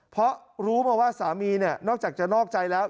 เพราะรู้มาว่าสามีเนี่ยนอกจากจะนอกใจแล้ว